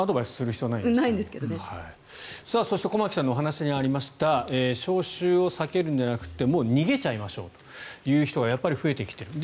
そして駒木さんのお話にありました招集を避けるんじゃなくてもう逃げちゃいましょうという人が増えてきていると。